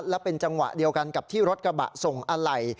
และเป็นจังหวะเดียวกันกับที่รถกระบะส่งอะไหล่